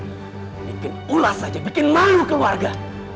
hah berani beraninya si kendeng bikin ulas saja bikin malu keluarga